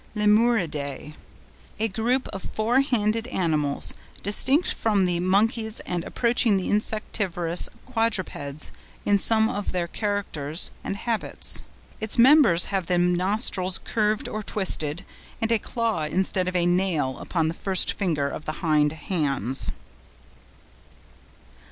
LEMURIDÆ.—A group of four handed animals, distinct from the monkeys and approaching the insectivorous quadrupeds in some of their characters and habits. Its members have the nostrils curved or twisted, and a claw instead of a nail upon the first finger of the hind hands.